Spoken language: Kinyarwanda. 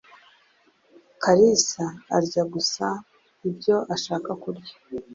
Kalisa arya gusa ibyo ashaka kurya.